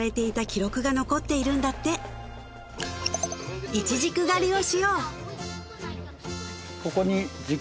記録が残っているんだってイチジク狩りをしよう！